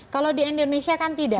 kalau di indonesia kan tidak